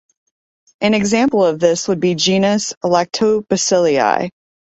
An example of this would be genus Lactobacilli.